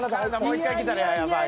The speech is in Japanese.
もう１回来たらやばい。